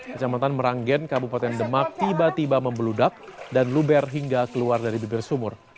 kecamatan meranggen kabupaten demak tiba tiba membeludak dan luber hingga keluar dari bibir sumur